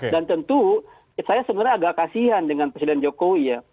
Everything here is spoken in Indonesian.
dan tentu saya sebenarnya agak kasihan dengan presiden jokowi ya